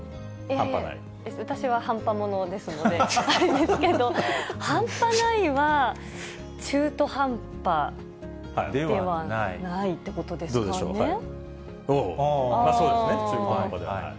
私は半端者ですので、あれですけど、半端ないは、中途半端ではないってことですかね。